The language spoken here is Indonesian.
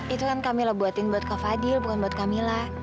itu kan kamila buatin buat kak fadil bukan buat kamila